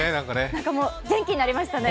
なんか元気になりましたね。